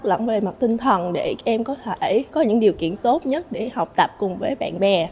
lẫn về mặt tinh thần để em có thể có những điều kiện tốt nhất để học tập cùng với bạn bè